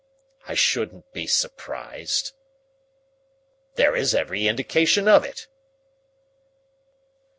I shouldn't be surprised.... There is every indication of it....